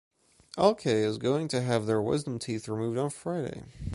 Alke is going to have their wisdom teeth removed on Friday.